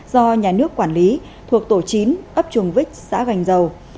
do nhà nước quản lý thuộc tổ chín ấp chuồng vích xã gành dầu